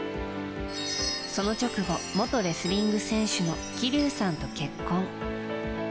その直後、元レスリング選手の希龍さんと結婚。